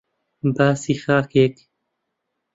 باسی خاکێک